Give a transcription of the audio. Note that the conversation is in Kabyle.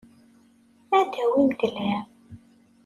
Ad d-tawimt lhemm.